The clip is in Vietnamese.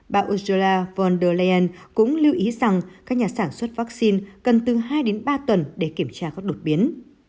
bà australia von der leyen cũng lưu ý rằng các nhà sản xuất vaccine cần từ hai đến ba tuần để kiểm tra các đột biến